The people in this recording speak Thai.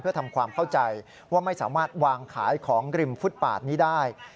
เพื่อทำความเข้าใจว่าไม่สามารถวางขายของริมฟุตปาดนี้ได้